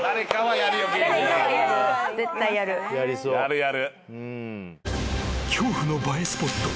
やるやる。